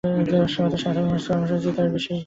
গত সাতই মার্চের কর্মসূচি তার সর্বশেষ দৃষ্টান্ত।